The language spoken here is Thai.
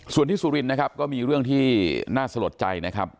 ส่วนที่สุรินทร์นะครับก็มีเรื่องที่น่าสลดใจนะครับ